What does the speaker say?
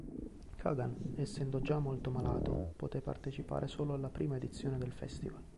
Kagan, essendo già molto malato, poté partecipare solo alla prima edizione del festival.